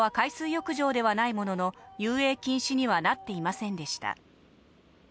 現場は海水浴場ではないものの、遊泳禁止にはなっていませんでした。